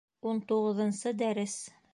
Ун туғыҙынсы дәрес